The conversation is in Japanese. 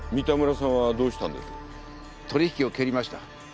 取引を蹴りました。